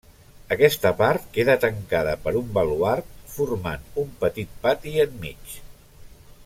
Aquesta part queda tancada per un baluard formant un petit pati enmig.